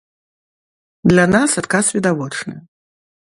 Для нас адказ відавочны.